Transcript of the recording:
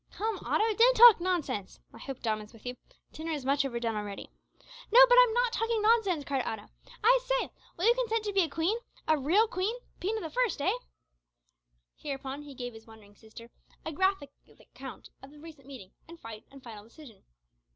"Come, Otto; don't talk nonsense. I hope Dom is with you. Dinner is much overdone already." "No, but I'm not talking nonsense," cried Otto. "I say, will you consent to be a queen a real queen Pina the First, eh?" Hereupon he gave his wondering sister a graphic account of the recent meeting, and fight, and final decision.